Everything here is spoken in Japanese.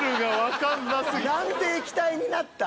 何で液体になったん？